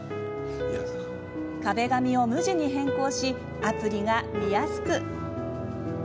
壁紙を無地に変更しアプリが見やすく。